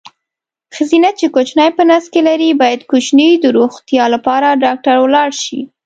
ښځېنه چې کوچینی په نس لري باید کوچیني د روغتیا لپاره ډاکټر ولاړ شي.